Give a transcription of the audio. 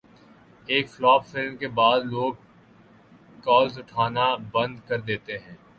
ایک flop film کے بعد لوگ کالز اٹھانا بند کردیتے ہیں